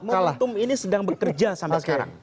caltum ini sedang bekerja sampai sekarang